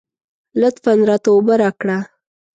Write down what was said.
لطفاً راته اوبه راکړه.